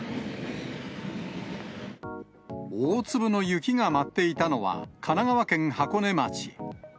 大粒の雪が舞っていたのは、神奈川県箱根町。